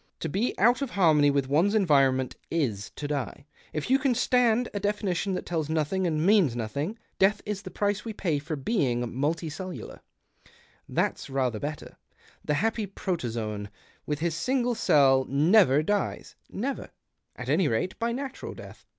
To be out of harmony with one's environment is to die, if you can stand a definition that tells nothing and means nothing. Death is the price we pay for l)eing multicellular. That's rather Ijetter. The happy protozoan, with his single cell, never dies — never, at any rate, by natural death.